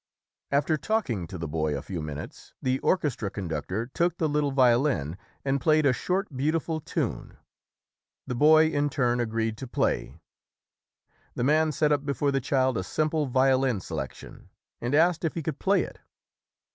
After talking to the boy a few minutes, the orchestra conductor took the little violin and played a short, beautiful tune. The boy in turn agreed to play. The man set up before the child a simple violin selection and asked if he could play it.